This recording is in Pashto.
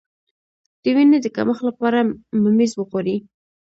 د وینې د کمښت لپاره ممیز وخورئ